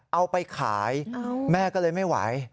เอาไปขายแม่ก็เลยไม่ไหว